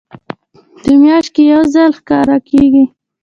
په میاشت کې یو ځل ښکاره کیږي.